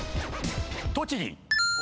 栃木。